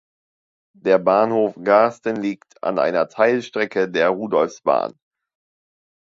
Der Bahnhof Garsten liegt an einer Teilstrecke der Rudolfsbahn.